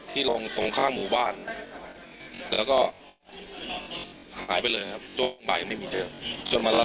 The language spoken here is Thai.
ที่ลงตรงข้างหมู่บ้านแล้วก็หายไปเลยครับไม่มีเจอมาแล้ว